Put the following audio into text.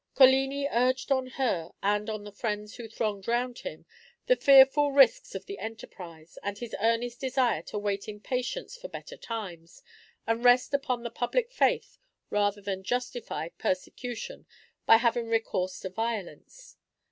Coligni urged on her and on the friends who thronged round him, the fearful risks of the enterprise, and his earnest desire to wait in patience for better times, and rest upon the public faith rather than justify persecution by having recourse to violence.